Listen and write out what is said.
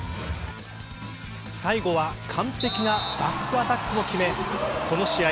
最後は完璧なバックアタックも決めこの試合